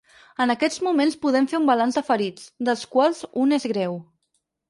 En aquests moments podem fer un balanç de ferits, dels quals un és greu.